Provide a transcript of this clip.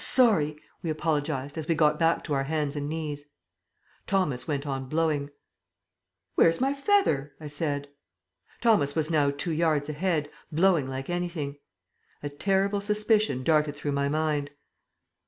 "Sorry!" we apologized as we got back on to our hands and knees. Thomas went on blowing. "Where's my feather?" I said. Thomas was now two yards ahead, blowing like anything. A terrible suspicion darted through my mind.